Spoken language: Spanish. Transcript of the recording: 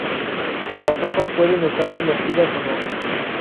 Las hojas pueden estar sumergidas o no.